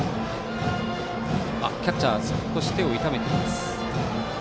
キャッチャー少し手を痛めています。